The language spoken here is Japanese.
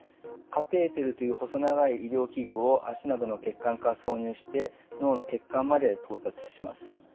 カテーテルという細長い医療器具を脚などの血管から挿入して脳の血管まで到達します。